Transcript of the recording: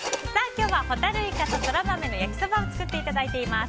今日はホタルイカとソラマメの焼きそばを作っていただいています。